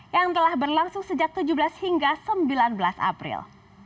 yang telah berlangsung sejak tujuh belas hingga sembilan belas april